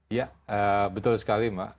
iya betul sekali mbak